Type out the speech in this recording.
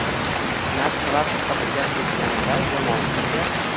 Narsalar haqida gap ketganda yomon sudya.